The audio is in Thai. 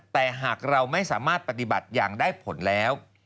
แต่หากเราไม่สามารถปฏิบัติอย่างได้ผลแล้ว